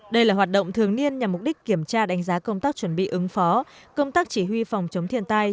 đây là hoạt động thường niên nhằm mục đích kiểm tra đánh giá công tác chuẩn bị ứng phó công tác chỉ huy phòng chống thiên tai